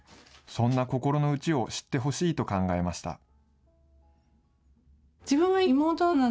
そんな心の内を知ってほしいと考えました。